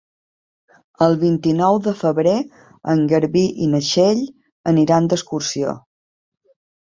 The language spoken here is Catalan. El vint-i-nou de febrer en Garbí i na Txell aniran d'excursió.